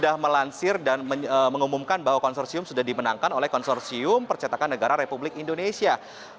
nah pada juni dua ribu sebelas konsorsium ini ke mendagri sudah melansir dan mengumumkan bahwa konsorsium sudah dimenangkan oleh konsorsium percetakan negara rakyat indonesia